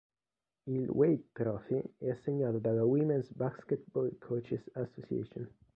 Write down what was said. Il Wade Trophy è assegnato dalla Women's Basketball Coaches Association.